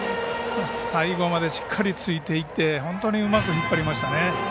最後までしっかりついていって本当にうまく引っ張りましたね。